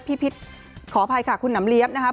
พิพิษขออภัยค่ะคุณหนำเลี้ยนะครับ